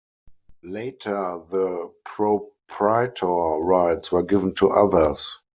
Later the proprietor rights were given to others.